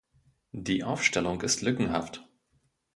Die Aufstellung ist lückenhaft.